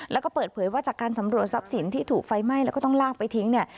แล้วก็เปิดเผยว่าจากการสำรวจทรัพย์สินที่ถูกไฟไหม้แล้วก็ต้องลากไปทิ้งเนี่ย